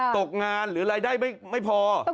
ตกงานหรือรายได้ไม่พอ